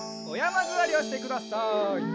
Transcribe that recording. おやまずわりをしてください。